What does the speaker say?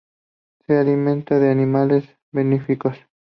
Se alimenta de animales bentónicos.